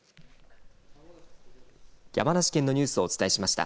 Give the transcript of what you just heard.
山梨県のニュースをお伝えしました。